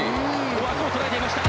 枠を捉えていました。